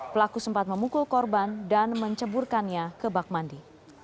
pelaku sempat memukul korban dan menceburkannya ke bak mandi